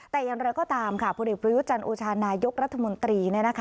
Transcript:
แต่อย่างไรก็ตามค่ะผลเอกประยุจันทร์โอชานายกรัฐมนตรี